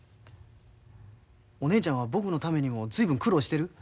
お姉ちゃんは僕のためにも随分苦労してる。